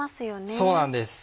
そうなんです。